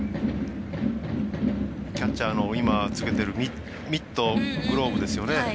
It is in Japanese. キャッチャーの今つけているミットグローブですよね。